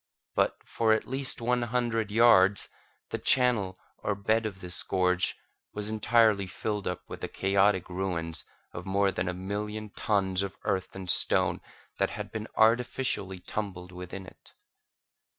But, for at least one hundred yards, the channel or bed of this gorge was entirely filled up with the chaotic ruins of more than a million tons of earth and stone that had been artificially tumbled within it.